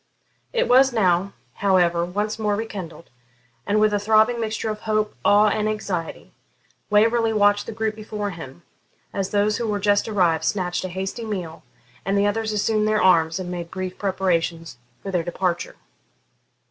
It was now, however, once more rekindled, and with a throbbing mixture of hope, awe, and anxiety, Waverley watched the group before him, as those who were just arrived snatched a hasty meal, and the others assumed their arms and made brief preparations for their departure.